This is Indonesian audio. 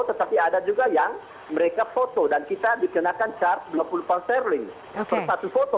tetapi ada juga yang mereka foto dan kita dikenakan charge dua puluh pound sterling per satu foto